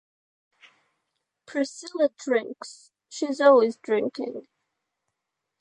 Priscilla drinks — she's always drinking.